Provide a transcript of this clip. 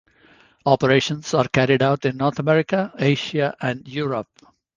Operations are carried out in North America, Asia and Europe.